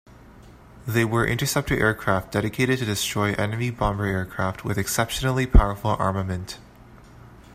They were interceptor aircraft dedicated to destroy enemy bomber aircraft with exceptionally powerful armament.